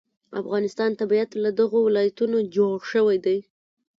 د افغانستان طبیعت له دغو ولایتونو جوړ شوی دی.